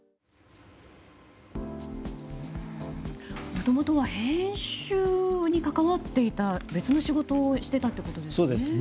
もともとは編集に関わっていた別の仕事をしていたということですよね。